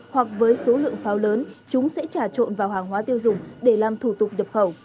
hoặc với số lượng pháo lớn chúng sẽ trả trộn vào hàng hóa tiêu dùng để làm thủ tục nhập khẩu